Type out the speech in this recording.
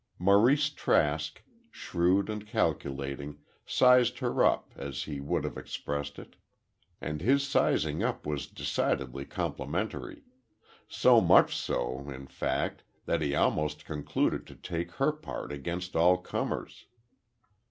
Maurice Trask, shrewd and calculating, sized her up, as he would have expressed it. And his sizing up was decidedly complimentary. So much so, in fact, that he almost concluded to take her part against all comers.